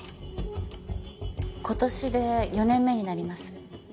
今年で４年目になります。